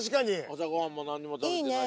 朝ごはんも何にも食べてないし。